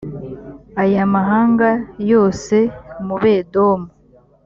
aya mahanga yose mu bedomu